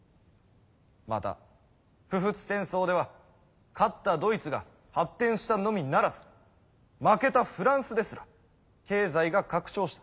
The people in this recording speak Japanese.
また普仏戦争では勝ったドイツが発展したのみならず負けたフランスですら経済が拡張した。